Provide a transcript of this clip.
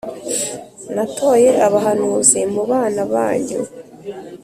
Natoye abahanuzi mu bana banyu,